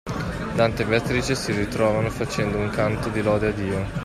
Dante e Beatrice si ritrovano facendo un canto di lode a Dio.